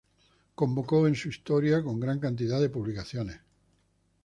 Convocó en su historia con una gran cantidad de publicaciones.